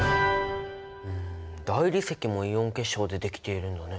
大理石もイオン結晶でできているんだね。